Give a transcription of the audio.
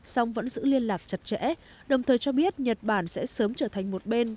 song vẫn giữ liên lạc chặt chẽ đồng thời cho biết nhật bản sẽ sớm trở thành một bên